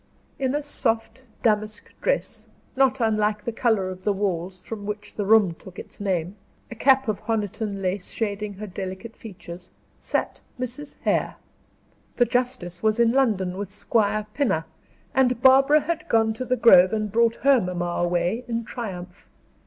In a soft, damask dress, not unlike the color of the walls from which the room took its name, a cap of Honiton lace shading her delicate features, sat Mrs. Hare. The justice was in London with Squire Pinner, and Barbara had gone to the Grove and brought her mamma away in triumph.